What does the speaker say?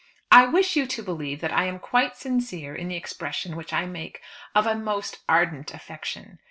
"I wish you to believe that I am quite sincere in the expression which I make of a most ardent affection."